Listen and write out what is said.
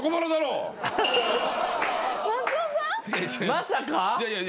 まさか？